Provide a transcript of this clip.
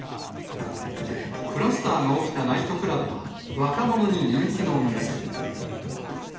クラスターが起きたナイトクラブは、若者に人気の店。